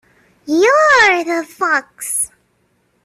You're the fox!